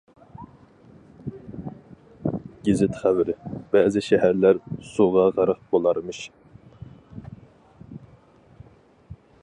گېزىت خەۋىرى : بەزى شەھەرلەر سۇغا غەرق بولارمىش!